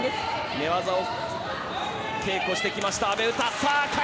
寝技を稽古してきました阿部詩。